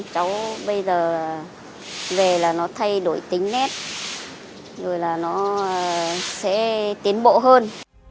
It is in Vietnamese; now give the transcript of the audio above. cháu bây giờ về là nó thay đổi tính nét rồi là nó sẽ tiến bộ hơn